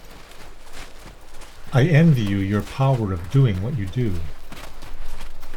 I envy you your power of doing what you do.